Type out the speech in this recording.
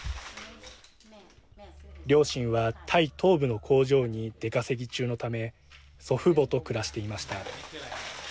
両親は、タイ東部の工場に出稼ぎ中のため祖父母と暮らしていました。